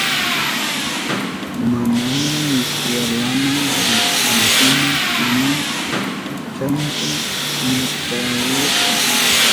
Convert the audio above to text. Manara iskwelama rishpankuna ñañanpa chukchanta ñakchahurka.